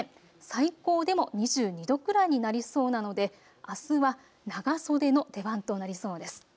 最高でも２２度くらいになりそうなので、あすは長袖の出番となりそうです。